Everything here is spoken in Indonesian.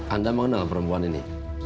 anda mengenal perempuan ini